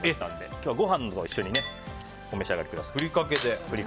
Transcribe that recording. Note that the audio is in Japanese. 今日はご飯も一緒にお召し上がりください。